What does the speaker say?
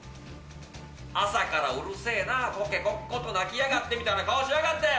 朝からうるせえなコケコッコと鳴きやがってみたいな顔しやがって。